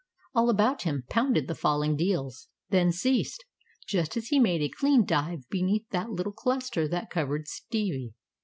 All about him pounded the falling deals, then ceased, just as he made a clean dive beneath that little cluster that covered Stevie.